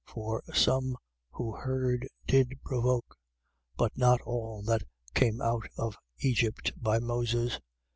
3:16. For some who heard did provoke: but not all that came out of Egypt by Moses.